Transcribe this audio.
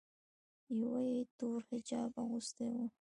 یوه یې تور حجاب اغوستی و.